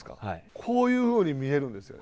こういうふうに見えるんですよね。